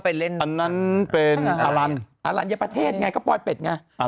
อันนั้นเป็นอลันอลัญญประเทศไงก็ปลอยเป็ดไง